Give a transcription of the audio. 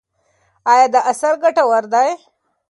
ایا دا اثر ګټور دی؟